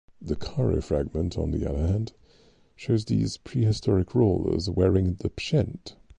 The Cairo fragment, on the other hand, shows these prehistoric rulers wearing the Pschent.